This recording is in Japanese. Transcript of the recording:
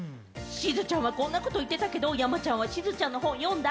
しずちゃんはこんなこと言ってたけれども、山ちゃんはしずちゃんの本読んだ？